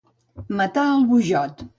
Matar el Bujot.